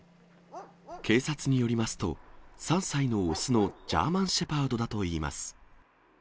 警察によりますと、３歳の雄のジャーマン・シェパードだといいます。